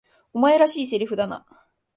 お前らしい台詞だな。